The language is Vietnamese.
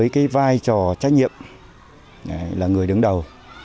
cái trò trách nhiệm là người đứng đầu